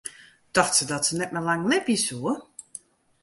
Tocht se dat se net lang mear libje soe?